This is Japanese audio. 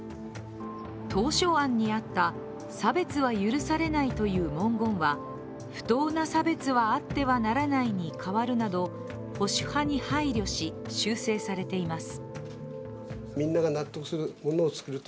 当初案にあった、「差別は許されない」という文言は「不当な差別はあってはならない」に変わるなど保守派に配慮し、修正されています。